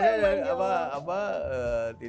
suka nyanyi apa bang jo